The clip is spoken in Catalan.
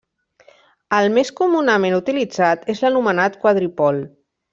El més comunament utilitzat és l'anomenat quadripol.